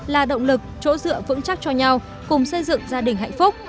là động lực chỗ dựa vững chắc cho nhau cùng xây dựng gia đình hạnh phúc